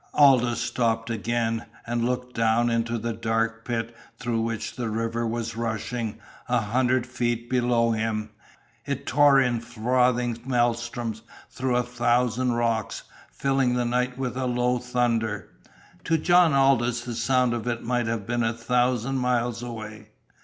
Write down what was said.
Aldous stopped again, and looked down into the dark pit through which the river was rushing a hundred feet below him. It tore in frothing maelstroms through a thousand rocks, filling the night with a low thunder. To John Aldous the sound of it might have been a thousand miles away.